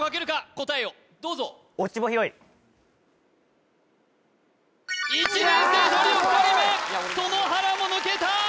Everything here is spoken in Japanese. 答えをどうぞ１年生トリオ２人目園原も抜けた！